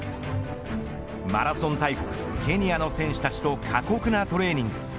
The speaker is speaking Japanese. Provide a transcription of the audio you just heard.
マラソン大国、ケニアの選手たちと過酷なトレーニング。